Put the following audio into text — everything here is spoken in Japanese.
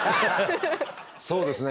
そうですね